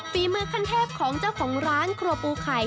ฝีมือขั้นเทพของเจ้าของร้านครัวปูไข่